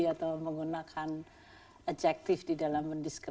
atau menggunakan adjective di dalam